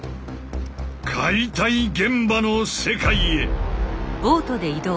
解体現場の世界へ！